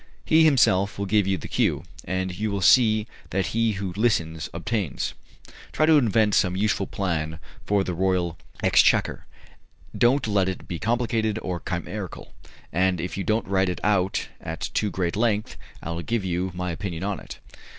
He himself will give you the cue, and you will see that he who listens obtains. Try to invent some useful plan for the royal exchequer; don't let it be complicated or chimerical, and if you don't write it out at too great length I will give you my opinion on it."